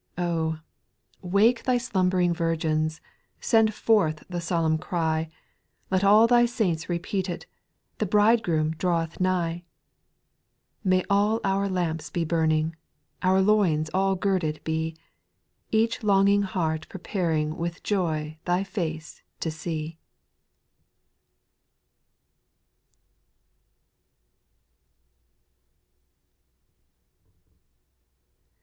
4. Oh ! wake Thy slumbering virgins ; Send forth the solemn cry. Let all Thy saints repeat it, *' The Bridegroom draweth nigh !" May all our lamps be burning, Our loins all girded be. Each longing heart preparing With joy Thy face to see